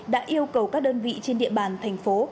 đã yêu cầu các đơn vị trên địa bàn thành phố